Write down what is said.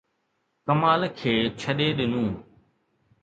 ڪمال کي ڇڏي ڏنو.